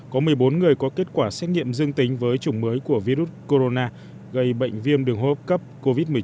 có một mươi bốn người có kết quả xét nghiệm dương tính với chủng mới của virus corona gây bệnh viêm đường hô hấp cấp covid một mươi chín